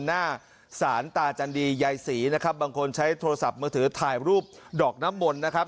หน้าศาลตาจันดียายศรีนะครับบางคนใช้โทรศัพท์มือถือถ่ายรูปดอกน้ำมนต์นะครับ